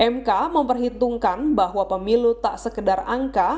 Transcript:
mk memperhitungkan bahwa pemilu tak sekedar angka